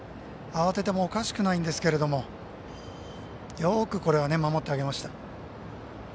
慌ててもおかしくないんですけれどもよく守ってあげました。